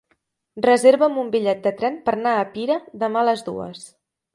Reserva'm un bitllet de tren per anar a Pira demà a les dues.